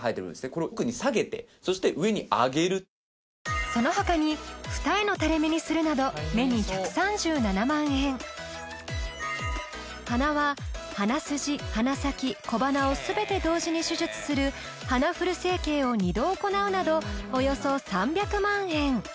これを奥に下げてそして上に上げるその他に二重のタレ目にするなど目に１３７万円鼻は鼻筋鼻先小鼻を全て同時に手術する鼻フル整形を２度行うなどおよそ３００万円